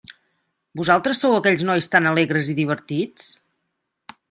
Vosaltres sou aquells nois tan alegres i divertits?